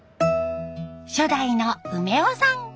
初代の梅雄さん。